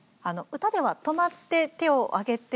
歌では「とまっててをあげて」